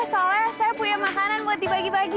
soalnya saya punya makanan buat dibagi bagi